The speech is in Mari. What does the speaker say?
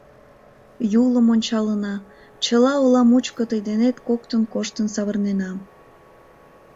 Юлым ончалына, чыла ола мучко тый денет коктын коштын савырнена.